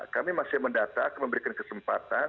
kami masih mendata memberikan kesempatan